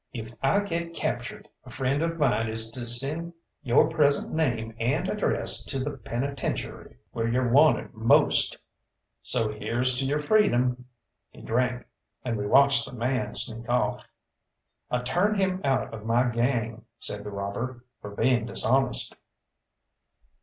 If I get captured, a friend of mine is to send your present name and address to the penitentiary, where you're wanted most so here's to your freedom." He drank, and we watched the man sneak off. "I turned him out of my gang," said the robber, "for being dishonest."